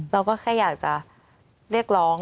เราก็แค่อยากจะเรียกร้อง